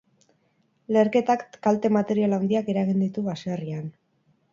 Leherketak kalte-material handiak eragin ditu baserrian.